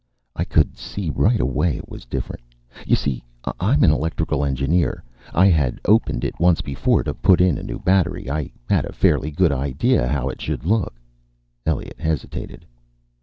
"I could see right away it was different. You see I'm an electrical engineer. I had opened it once before, to put in a new battery. I had a fairly good idea how it should look." Elliot hesitated.